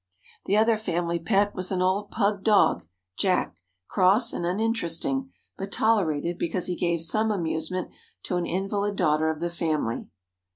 The other family pet was an old pug dog—Jack—cross and uninteresting, but tolerated because he gave some amusement to an invalid daughter of the family.